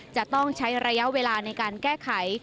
จะต้องใช้ระยะเวลาในการแก้ไข